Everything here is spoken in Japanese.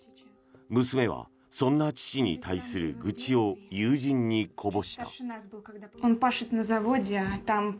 娘はそんな父に対する愚痴を友人にこぼした。